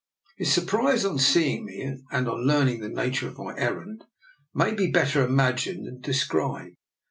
His surprise at seeing me, and on learning the nature of my errand, may be better imagined than de scribed.